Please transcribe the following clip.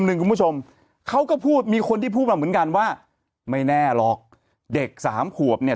หนึ่งคุณผู้ชมเขาก็พูดมีคนที่พูดมาเหมือนกันว่าไม่แน่หรอกเด็กสามขวบเนี่ย